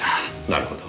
なるほど。